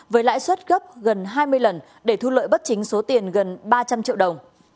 với lãi suất gấp gần hai mươi lần để thu lợi bất chính số tiền gần ba trăm linh triệu đồng